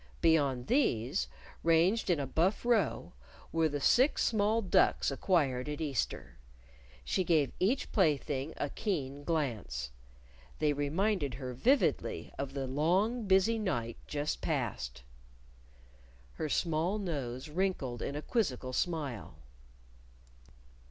Beyond these, ranged in a buff row, were the six small ducks acquired at Easter. She gave each plaything a keen glance. They reminded her vividly of the long busy night just past! Her small nose wrinkled in a quizzical smile.